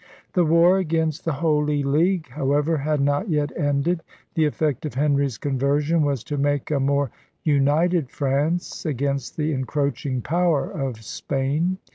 The war against the Holy League, however, had not yet ended. The effect of Henry's conversion was to make a more united France against the encroaching power of Spain.